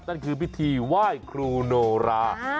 นั่นคือพิธีไหว้ครูโนรา